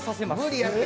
無理やって！